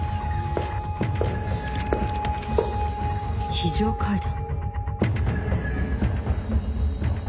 非常階段？